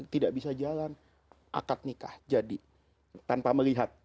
tidak bisa jalan akad nikah jadi tanpa melihat